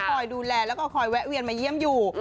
คอยดูแลแล้วก็คอยแวะเวียนมาเยี่ยมอยู่